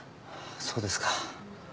そうですか。